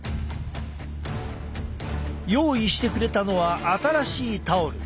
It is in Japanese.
用意してくれたのは新しいタオル。